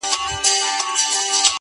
کلي ودان کورونه-